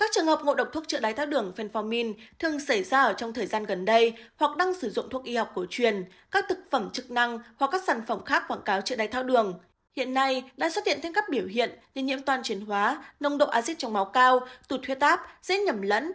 phenformin là thuốc trị đáy thao đường tuy nhiên hiện nay không còn được cấp phép lưu hành tại nhiều nước trên thế giới trong đó có việt nam